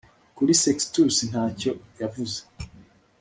Kuri Sextus ntacyo yavuze